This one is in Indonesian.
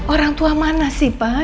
orang tua mana sih pak